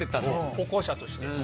歩行者として。